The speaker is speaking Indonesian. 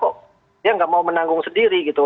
karena ternyata kok dia tidak mau menanggung sendiri gitu